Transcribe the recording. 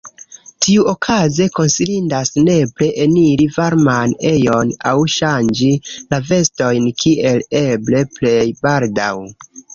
Tiuokaze konsilindas nepre eniri varman ejon aŭ ŝanĝi la vestojn kiel eble plej baldaŭ.